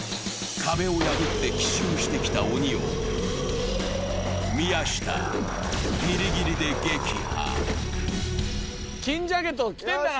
壁を破って奇襲してきた鬼を宮下、ギリギリで撃破。